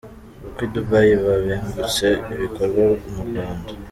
Uko i Dubai babengutse ibikorerwa mu Rwanda.